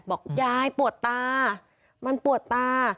บอกยายปวดตามันปวดตา